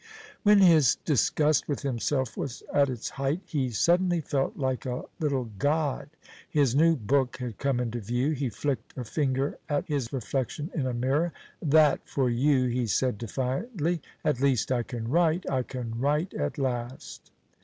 When his disgust with himself was at its height he suddenly felt like a little god. His new book had come into view. He flicked a finger at his reflection in a mirror. "That for you!" he said defiantly; "at least I can write; I can write at last!"